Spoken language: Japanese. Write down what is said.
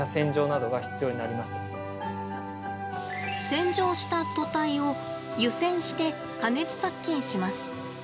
洗浄した、と体を湯煎して加熱殺菌します。